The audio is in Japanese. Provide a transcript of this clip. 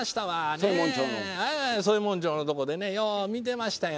宗右衛門町のとこでねよう見てましたよ。